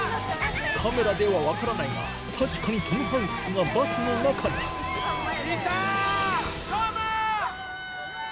カメラでは分からないが確かにトム・ハンクスがバスの中にいた！